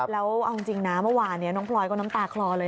แล้วเอาจริงนะเมื่อวานนี้น้องพลอยก็น้ำตาคลอเลย